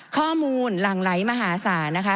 ข้อมูลหลั่งไหลมหาศาลนะคะ